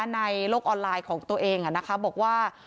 ในโลกออนไลน์ของตัวเองอ่ะนะคะบอกว่า